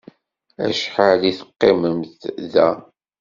Acḥal ad teqqimemt da?